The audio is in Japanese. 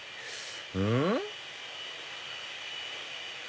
うん？